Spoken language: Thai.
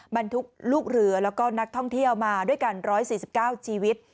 บรรทุกลูกเรือแล้วก็นักท่องเที่ยวมาด้วยกัน๑๔๙ชีวิต